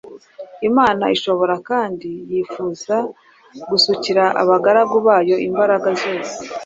Imana ishobora kandi yifuza gusukira abagaragu bayo imbaraga zose